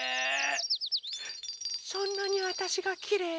そんなにわたしがきれい？